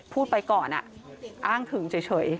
พูดไปก่อนอ้างถึงเฉย